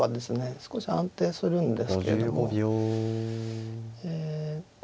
少し安定するんですけれどもえ５